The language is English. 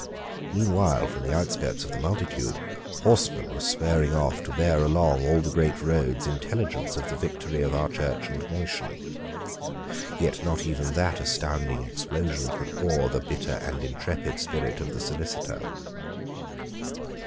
Meanwhile, from the outskirts of the multitude, horsemen were spurring off to bear along all the great roads intelligence of the victory of our Church and nation. Yet not even that astounding explosion could awe the bitter and intrepid spirit of the Solicitor.